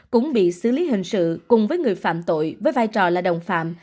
cũng bị xử lý hình sự cùng với người phạm tội với vai trò là đồng phạm